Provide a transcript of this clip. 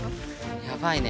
やばいね。